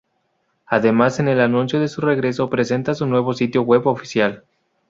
Además en el anuncio de su regreso presentan su nuevo sitio web oficial.